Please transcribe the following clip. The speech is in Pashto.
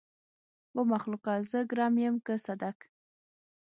ومخلوقه! زه ګرم يم که صدک.